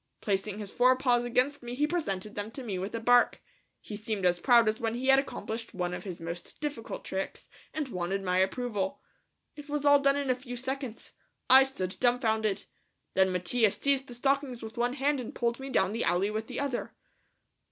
Placing his fore paws against me he presented them to me with a bark. He seemed as proud as when he had accomplished one of his most difficult tricks and wanted my approval. It was all done in a few seconds. I stood dumbfounded. Then Mattia seized the stockings with one hand and pulled me down the alley with the other.